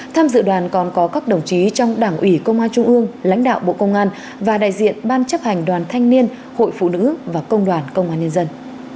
tham dự đoàn còn có các đồng chí trong đảng ủy công an trung ương lãnh đạo bộ công an và đại diện ban chấp hành đoàn thanh niên hội phụ nữ và công đoàn công an nhân dân